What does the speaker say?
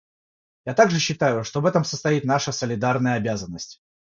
Я также считаю, что в этом состоит наша солидарная обязанность.